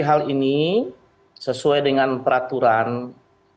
hal ini sesuai dengan peraturan pemerintah